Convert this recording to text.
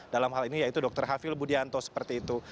dalam hal ini yaitu dr hafil budianto seperti itu